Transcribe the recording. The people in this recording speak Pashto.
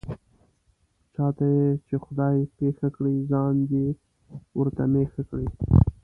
چاته یې چې خدای پېښه کړي، ځان دې ورته مېښه کړي.